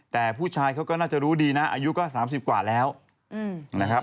แต่ผู้ชายเขาก็น่าจะรู้ดีนะอายุก็๓๐กว่าแล้วนะครับ